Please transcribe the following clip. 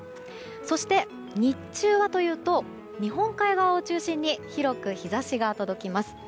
そして日中はというと日本海側を中心に広く日差しが届きます。